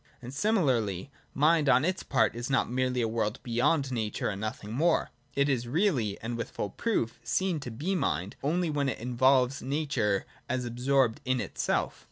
And similarly, Mind on its part is not merely a world beyond Nature and nothing more : it is really, and with full proof, seen to be mind, only when it involves Nature as absorbed in itself.